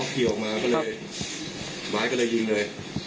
อ๋อขี่ออกมาก็เลยบาร์ดก็เลยยิงเลย